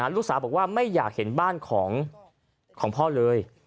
ลูกสาวบอกว่าไม่อยากเห็นบ้านของพ่อเลย